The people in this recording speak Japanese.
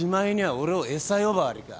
俺を餌呼ばわりか。